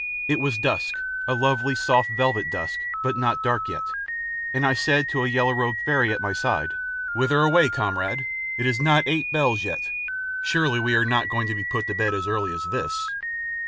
It was dusk, a lovely soft velvet dusk, but not dark yet, and I said to a yellow robed fairy at my side: "Whither away, comrade? It is not eight bells yet. Surely we are not going to be put to bed so early as this?"